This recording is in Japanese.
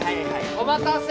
お待たせ！